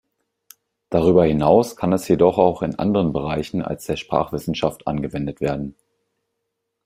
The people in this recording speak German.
Darüber hinaus kann es jedoch auch in anderen Bereichen als der Sprachwissenschaft angewendet werden.